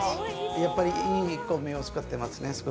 やっぱり、いいお米を使ってますね。